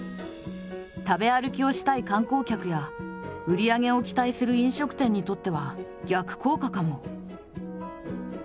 食べ歩きをしたい観光客や売り上げを期待する飲食店にとっては逆効果かも。